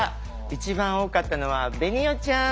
一番多かったのは紅緒ちゃん。